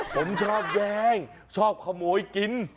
ผมชอบแย่งชอบขโมยกิน